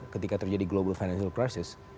ketika terjadi global financial crisis